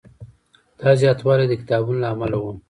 دا زیاتوالی د کتابونو له امله و.